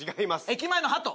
駅前のハト。